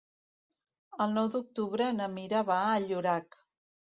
El nou d'octubre na Mira va a Llorac.